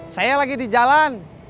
saya lagi di jalan